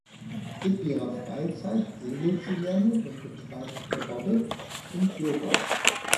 In ihrer Freizeit segelt sie gerne und betreibt Aerobic und Yoga.